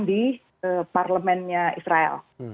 di parlemennya israel